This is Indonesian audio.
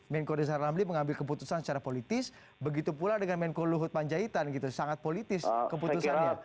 menko riza ramli mengambil keputusan secara politis begitu pula dengan menko luhut panjaitan gitu sangat politis keputusannya